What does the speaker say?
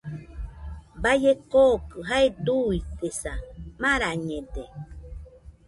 Baie kookɨ jae duidesa, marañede